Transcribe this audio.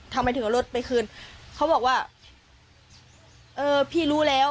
ทำไมถึงเอารถไปคืนเขาบอกว่าเออพี่รู้แล้ว